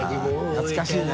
懐かしいな。